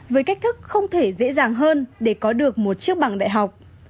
với cách thức không thể dễ dàng hơn để có được một chiếc bằng đại học